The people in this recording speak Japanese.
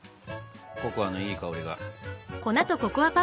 ココアのいい香りが。